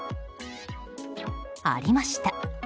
ありました！